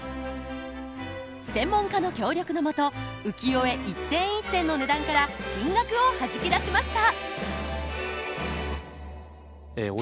専門家の協力の下浮世絵一点一点の値段から金額をはじき出しました！